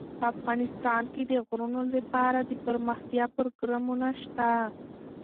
افغانستان کې د غرونه لپاره دپرمختیا پروګرامونه شته.